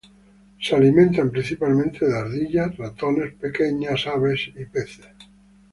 Se alimentan principalmente de ardillas, ratones, pequeñas aves y peces.